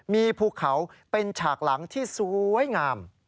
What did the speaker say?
มีภูเขาเป็นฉากหลังที่สวยงาม